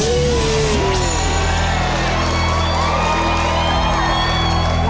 ถูกครับ